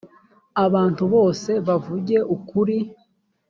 abantu bose bavuge ukuri.